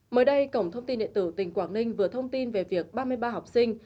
mới đây cổng thông tin điện tử tỉnh quảng ninh vừa thông tin về việc ba mươi ba học sinh